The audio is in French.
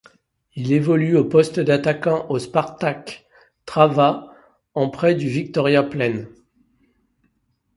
Il évolue au poste d'attaquant au Spartak Trnava en prêt du Viktoria Plzeň.